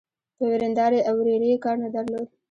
په وريندارې او ورېرې يې کار نه درلود.